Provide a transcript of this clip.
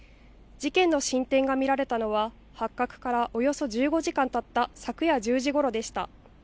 事件の進展が見られたのは発覚からおよそ１５時間たった昨夜１０時ごろでした。